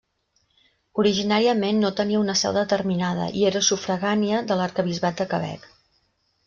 Originàriament no tenia una seu determinada, i era sufragània de l'arquebisbat de Quebec.